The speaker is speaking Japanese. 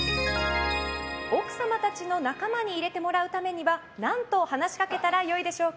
奥様たちの仲間に入れてもらうためには何と話しかけたら良いでしょうか。